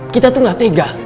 kita tuh gak tega